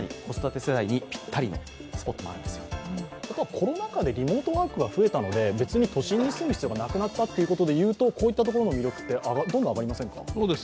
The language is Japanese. コロナ禍でリモートワークが増えたので、別に都心に住む必要がなくなったということで言うとこういったところの魅力ってどんどん上がりませんか？